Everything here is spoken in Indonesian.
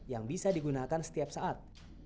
yang bisa digunakan setiap saat